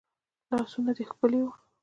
لاسونه دي ښکلي وه